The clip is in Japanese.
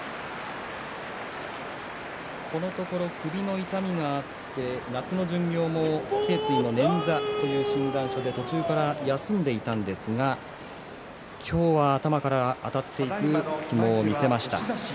このところ首の痛みがあって夏の巡業もけい椎の捻挫という診断書で途中から休んでいたんですが今日は頭からあたっていく相撲を見せました。